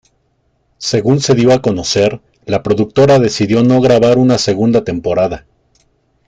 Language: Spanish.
Según se dio a conocer, la productora decidió no grabar una segunda temporada.